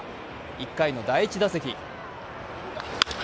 １回の第１打席。